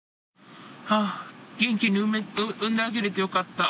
元気に産んであげれてよかった。